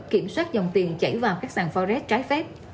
kiểm soát dòng vận chuyển